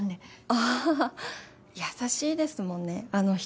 あぁ優しいですもんねあの人。